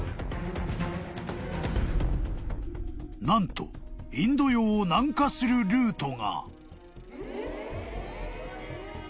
［何とインド洋を南下するルートが］